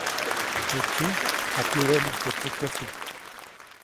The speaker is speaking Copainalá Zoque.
Teʼ tsiʼ japyudäʼmuŋ teʼ tsukäsi.